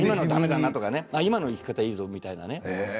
今のやり方いいぞみたいなね。